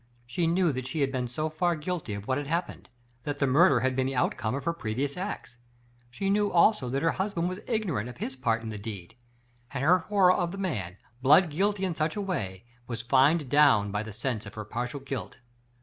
She knew that she had been so far guilty of what had happened that the murder had been the outcome of her previous acts. She knew also that her husband was ignorant of his part in the deed — and her horror of the man, blood guilty in such a way, was fined down by the sense of her own partial guilt.